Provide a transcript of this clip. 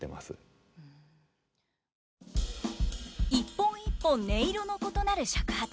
一本一本音色の異なる尺八。